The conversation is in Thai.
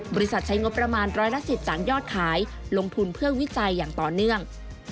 ใช้งบประมาณร้อยละ๑๐จากยอดขายลงทุนเพื่อวิจัยอย่างต่อเนื่อง